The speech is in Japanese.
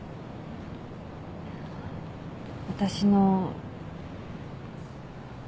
私の。